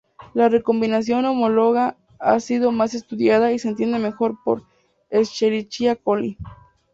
La recombinación homóloga ha sido más estudiada y se entiende mejor por "Escherichia coli".